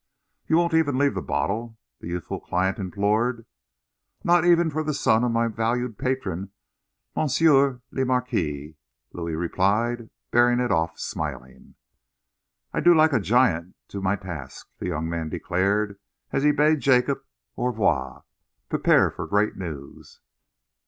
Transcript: "You won't even leave the bottle?" his youthful client implored. "Not even for the son of my valued patron, Monsieur le Marquis," Louis replied, bearing it off, smiling. "I go like a giant to my task," the young man declared, as he bade Jacob au revoir. "Prepare for great news."...